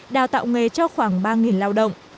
đào tạo nghề cho khoảng ba lao động